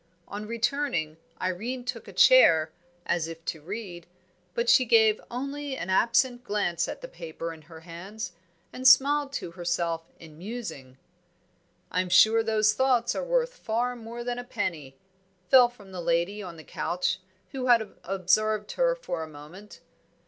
On returning, Irene took a chair, as if to read; but she gave only an absent glance at the paper in her hands, and smiled to herself in musing. "I'm sure those thoughts are worth far more than a penny," fell from the lady on the couch, who had observed her for a moment.